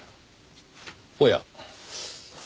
おや。